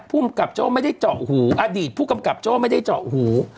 ผู้กำกับเจ้าไม่ได้เจาะหู